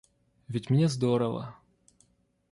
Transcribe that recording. Ведь мне здорово.